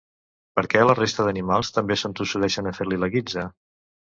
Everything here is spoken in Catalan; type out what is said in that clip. Per què la resta d’animals també s’entossudeixen a fer-li la guitza?